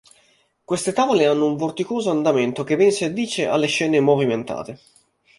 Queste tavole hanno un vorticoso andamento che ben si addice alle scene movimentate.